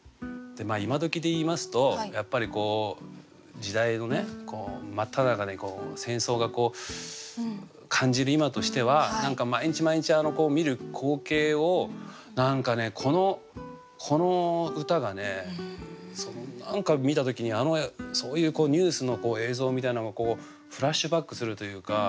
今どきで言いますとやっぱりこう時代のね真っただ中に戦争が感じる今としては何か毎日毎日見る光景をこの歌が何か見た時にそういうニュースの映像みたいなのがこうフラッシュバックするというか。